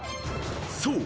［そう。